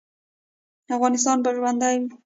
افغانستان به ژوندی وي؟